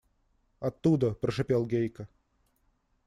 – Оттуда, – прошипел Гейка.